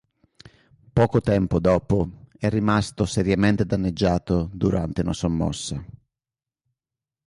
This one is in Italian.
Poco tempo dopo è rimasto seriamente danneggiato durante una sommossa.